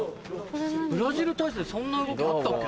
ブラジル体操でそんな動きあったっけ？